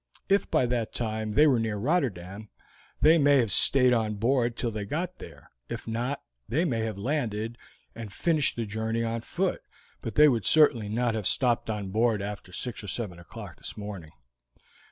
If by that time they were near Rotterdam, they may have stayed on board till they got there; if not, they may have landed, and finished the journey on foot, but they would certainly not have stopped on board after six or seven o'clock this morning.